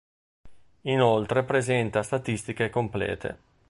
Inoltre presenta statistiche complete.